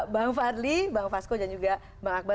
bang fadli bang fasko dan juga bang akbar